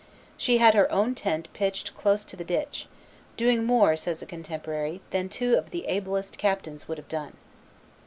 She had her own tent pitched close to the ditch, "doing more," says a contemporary, "than two of the ablest captains would have done."